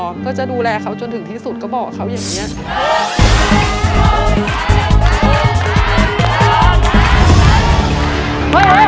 เดี๋ยวจะดูแลเขาจนในที่สุดก็บอกเขาอย่างนี้